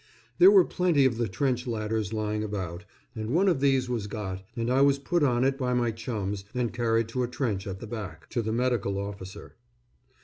There were plenty of the trench ladders lying about, and one of these was got, and I was put on it by my chums and carried to a trench at the back, to the medical officer.